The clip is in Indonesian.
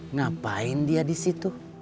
ngapain dia di situ